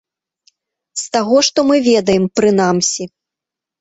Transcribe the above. З таго, што мы ведаем, прынамсі.